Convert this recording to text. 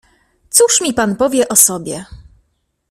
"Cóż mi pan powie o sobie?"